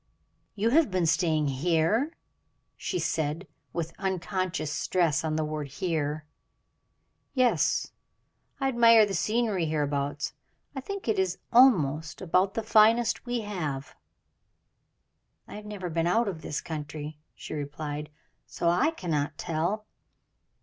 "You have been staying here!" she said, with unconscious stress on the word "here." "Yes; I admire the scenery hereabouts. I think it is almost about the finest we have." "I have never been out of this county," she replied, "so I cannot tell."